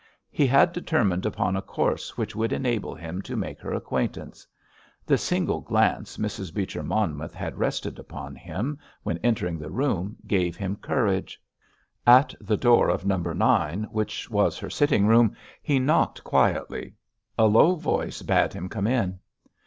He had determined upon a course which would enable him to make her acquaintance. The single glance Mrs. Beecher Monmouth had rested upon him when entering the room gave him courage. At the door of No. 9, which was her sitting room, he knocked quietly. A low voice bade him come in.